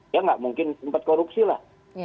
ya nggak mungkin sempat korupsi lah